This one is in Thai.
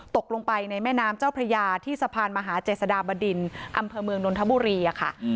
ตกลงไปในแม่น้ำเจ้าพระยาที่สะพานมหาเจษฎาบดินอำเภอเมืองนนทบุรีค่ะ